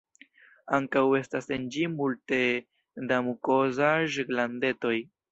Ankaŭ estas en ĝi multe da mukozaĵ-glandetoj.